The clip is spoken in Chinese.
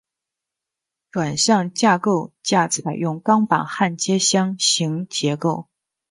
转向架构架采用钢板焊接箱型结构。